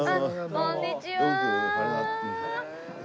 こんにちは。